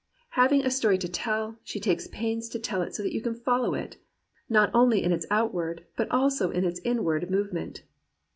Having a story to tell, she takes pains to tell it so that you can follow it, not only in its outward, but also in its inward movement.